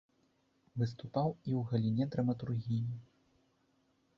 Выступаў і ў галіне драматургіі.